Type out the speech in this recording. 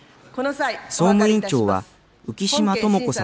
総務委員長は、浮島智子さんです。